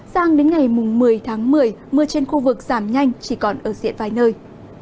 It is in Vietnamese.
sang đến ngày một mươi tháng một mươi mưa trên khu vực giảm nhanh chỉ còn ở diện vài nơi